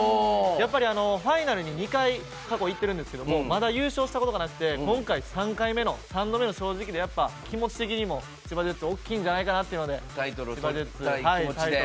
やっぱり、ファイナルに２回過去いってるんですけどまだ優勝したことがなくて今回、３回目の、３度目の正直で気持ち的にも、千葉ジェッツ大きいんじゃないかなというので。